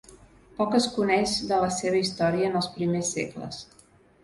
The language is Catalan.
Poc es coneix de la seva història en els primers segles.